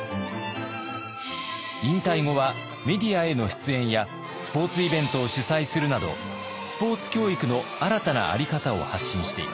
引退後はメディアへの出演やスポーツイベントを主催するなどスポーツ教育の新たなあり方を発信しています。